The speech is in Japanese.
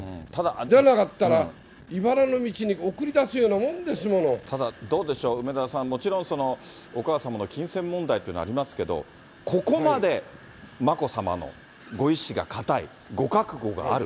じゃなかったら、いばらの道に送り出すようなもんですもの。ただどうでしょう、梅沢さん、もちろんお母様の金銭問題というのはありますけど、ここまで眞子さまのご意志が固い、ご覚悟がある。